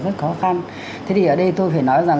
cảm ơn các bạn